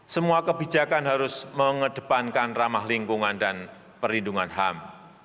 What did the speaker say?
semua kebijakan harus mengedepankan ramah lingkungan dan perlindungan ham